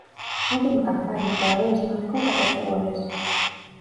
Na última campaña co Alavés marcou catorce goles.